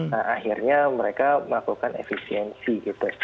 nah akhirnya mereka melakukan efisiensi gitu